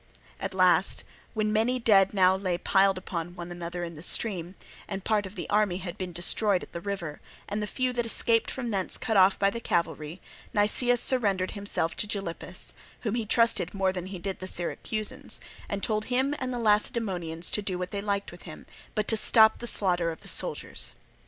At last, when many dead now lay piled one upon another in the stream, and part of the army had been destroyed at the river, and the few that escaped from thence cut off by the cavalry, Nicias surrendered himself to Gylippus, whom he trusted more than he did the Syracusans, and told him and the Lacedaemonians to do what they liked with him, but to stop the slaughter of the soldiers.